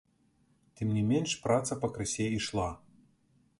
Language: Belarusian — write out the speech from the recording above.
Тым не менш праца пакрысе ішла.